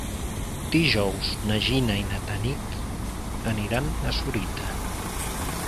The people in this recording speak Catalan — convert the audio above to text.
Dijous na Gina i na Tanit aniran a Sorita.